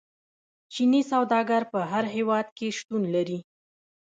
چیني سوداګر په هر هیواد کې شتون لري.